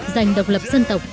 giành độc lập dân tộc